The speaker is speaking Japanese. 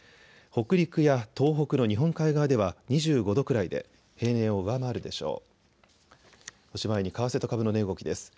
北陸や東北の日本海側では２５度くらいで平年を上回るでしょう。